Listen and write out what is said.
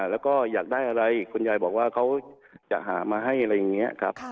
แล้วก็อยากได้อะไรคุณยายบอกว่าเขาจะหามาให้อะไรอย่างนี้ครับ